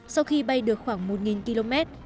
sau khi bay được khoảng một km